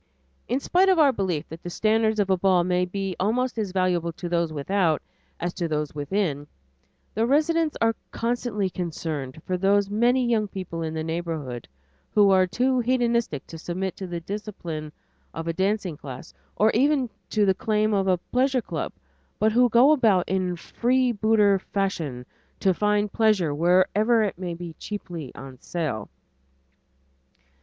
In spite of our belief that the standards of a ball may be almost as valuable to those without as to those within, the residents are constantly concerned for those many young people in the neighborhood who are too hedonistic to submit to the discipline of a dancing class or even to the claim of a pleasure club, but who go about in freebooter fashion to find pleasure wherever it may be cheaply on sale.